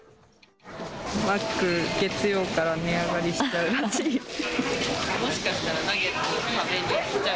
マック、月曜から値上がりしちゃうらしい！